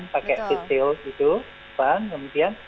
pakai seat tail gitu